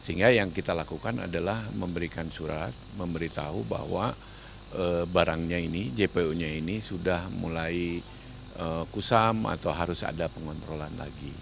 sehingga yang kita lakukan adalah memberikan surat memberitahu bahwa barangnya ini jpo nya ini sudah mulai kusam atau harus ada pengontrolan lagi